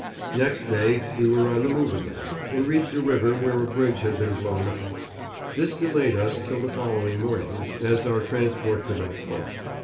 Next day we were on the move again, and reached a river where a bridge had been blown up. This delayed us till the following morning, as our transport could not cross.